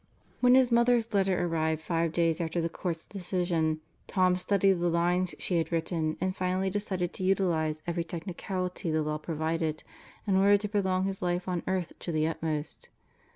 When his mother's letter arrived five days after the Court's decision, Tom studied the lines she had written and finally de cided to utilize every technicality the Law provided in order to prolong his life on earth to the utmost.